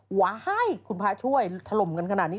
ว่าให้คุณพระช่วยถล่มกันขนาดนี้